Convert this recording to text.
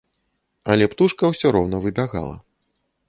Але птушка ўсё роўна выбягала.